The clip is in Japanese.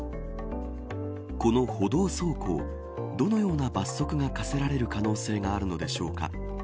この歩道走行どのような罰則が科せられる可能性があるのでしょうか。